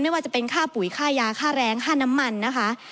ไม่ว่าจะเป็นค่าปุ๋ยค่ายาค่าแรงค่าน้ำมันนะคะ